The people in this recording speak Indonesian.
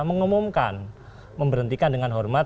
mengumumkan memberhentikan dengan hormat